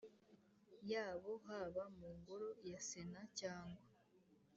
yabo haba mu Ngoro ya Sena cyangwa